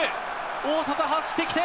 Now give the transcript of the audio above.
大外、走ってきて。